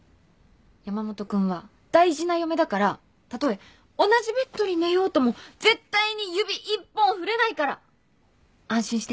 山本君は大事な嫁だからたとえ同じベッドに寝ようとも絶対に指一本触れないから安心して。